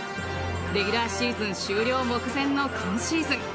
レギュラーシーズン終了目前の今シーズン